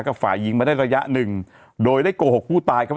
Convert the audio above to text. ฝ่ายหญิงมาได้ระยะหนึ่งโดยได้โกหกผู้ตายครับ